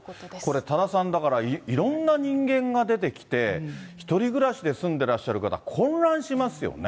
これ、多田さん、だから、いろんな人間が出てきて、１人暮らしで住んでいらっしゃる方、混乱しますよね。